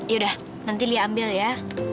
yaudah nanti lia ambil ya